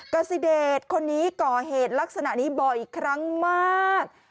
กาซิเดชคนนี้ก่อเหตุลักษณะนี้บ่อยครั้งมาก